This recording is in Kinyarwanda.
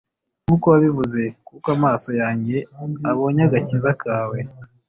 nkuko wabivuze : kuko amaso yanjye abonye agakiza kawe,